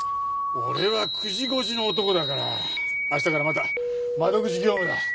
俺は９時５時の男だから明日からまた窓口業務だ。